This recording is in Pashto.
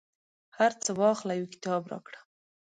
هرڅه واخله، یو کتاب راکړه